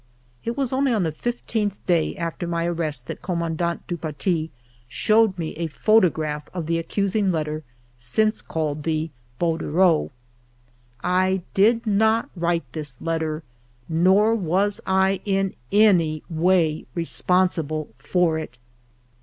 It was only on the fifteenth day after my arrest that Commandant du Paty showed me a pho tograph of the accusing letter since called the bordereau, I did not write this letter, nor was I in any WAY RESPONSIBLE FOR IT.